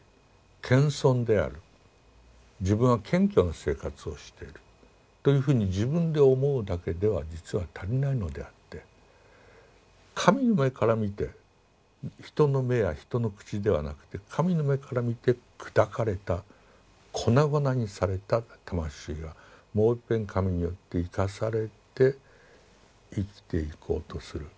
謙遜である自分は謙虚な生活をしているというふうに自分で思うだけでは実は足りないのであって神の目から見て人の目や人の口ではなくて神の目から見て砕かれた粉々にされた魂はもういっぺん神によって生かされて生きていこうとする。